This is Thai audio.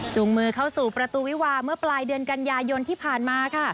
มือเข้าสู่ประตูวิวาเมื่อปลายเดือนกันยายนที่ผ่านมาค่ะ